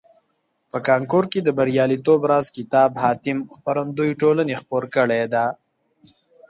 په کانکور کې د بریالیتوب راز کتاب حاتم خپرندویه ټولني خپور کړیده.